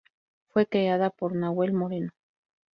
Fue creada por Nahuel Moreno.